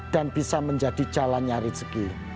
dan bisa menjadi jalan nyari ceki